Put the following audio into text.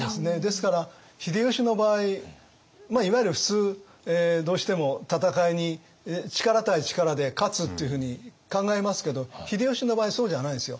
ですから秀吉の場合いわゆる普通どうしても戦いに力対力で勝つっていうふうに考えますけど秀吉の場合そうじゃないんですよ。